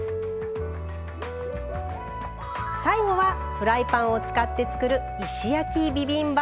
最後はフライパンを使って作る石焼きビビンバ風。